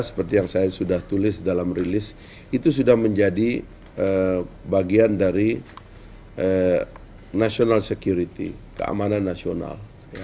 seperti yang saya sudah tulis dalam rilis itu sudah menjadi bagian dari national security keamanan nasional